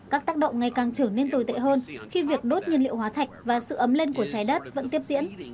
các tác động ngày càng trở nên tồi tệ hơn khi việc đốt nhiên liệu hóa thạch và sự ấm lên của trái đất vẫn tiếp diễn